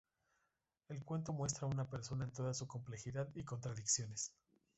El cuento muestra a una persona en toda su complejidad y contradicciones.